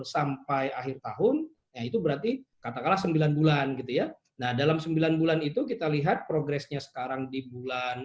sampai akhir tahun ya itu berarti katakanlah sembilan bulan gitu ya nah dalam sembilan bulan itu kita lihat progresnya sekarang di bulan